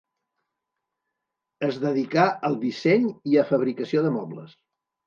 Es dedicà al disseny i a fabricació de mobles.